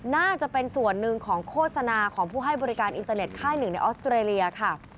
น่าจะเป็นส่วนหนึ่งของโฆษณาของผู้ให้บริการอินเตอร์เน็ตค่ายหนึ่งในออสเตรเลียค่ะ